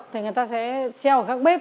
thì người ta sẽ treo ở các bếp